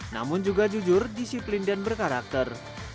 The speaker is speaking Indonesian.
namun juga jujur disiplin dan berkarakter